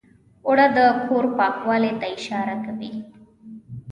اوړه د کور پاکوالي ته اشاره کوي